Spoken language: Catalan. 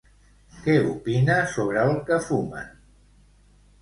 Què opina sobre el que fumen?